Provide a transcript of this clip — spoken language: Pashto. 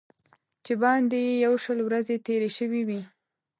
چې باندې یې یو شل ورځې تېرې شوې وې.